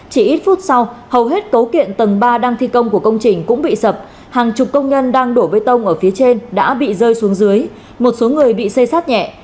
chỉ ít phút sau hầu hết cấu kiện tầng ba đang thi công của công trình cũng bị sập hàng chục công nhân đang đổ bê tông ở phía trên đã bị rơi xuống dưới một số người bị xây sát nhẹ